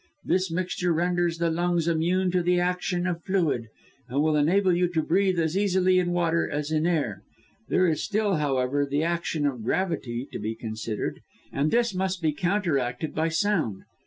This mixture renders the lungs immune to the action of fluid, and will enable you to breathe as easily in water as in air. There is still, however, the action of gravity to be considered, and this must be counteracted by sound.